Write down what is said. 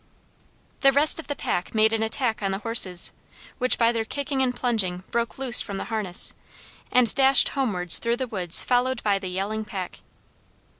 The rest of the pack made an attack on the horses, which by their kicking and plunging broke loose from the harness, and dashed homewards through the woods followed by the yelling pack.